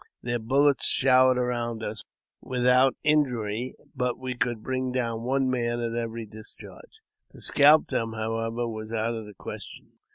Their bullets showered around us v^ithout injury, but we could bring down one man at every discharge. To scalp them, however, was out of the question.